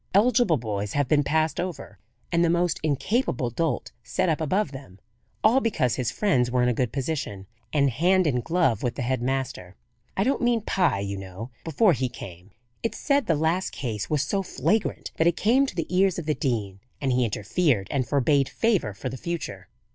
"Eligible boys have been passed over, and the most incapable dolt set up above them; all because his friends were in a good position, and hand in glove with the head master. I don't mean Pye, you know; before he came. It's said the last case was so flagrant that it came to the ears of the dean, and he interfered and forbade favour for the future.